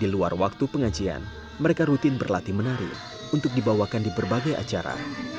di luar waktu pengajian mereka rutin berlatih menari untuk dibawakan di berbagai acara